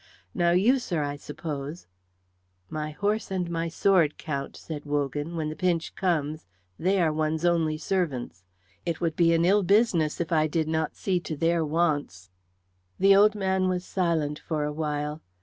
Now you, sir, I suppose " "My horse and my sword, Count," said Wogan, "when the pinch comes, they are one's only servants. It would be an ill business if I did not see to their wants." The old man was silent for a while.